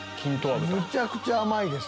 むちゃくちゃ甘いです。